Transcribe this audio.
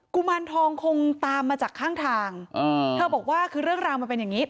กุมารทองคงตามมาจากข้างทางเธอบอกว่าคือเรื่องราวมันเป็นอย่างงี้